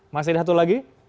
mas ida satu lagi